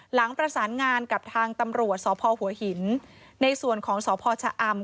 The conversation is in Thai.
หลังประสานงานกับทางตำรวจสพหัวหินในส่วนของสพชะอำ